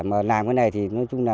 mà làm cái này thì nói chung là